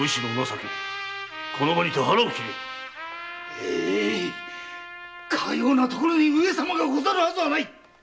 ええいかような所に上様がござるはずはない。